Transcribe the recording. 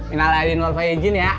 innalah adin wolfayjin ya